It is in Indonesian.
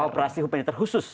operasi militer khusus